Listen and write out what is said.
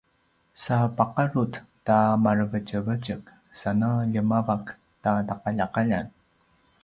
sa paqarut ta marevetjevetjek sana ljemavak ta taqaljaqaljan